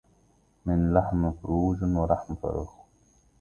من لحم فروجٍ ولحم فَرخِ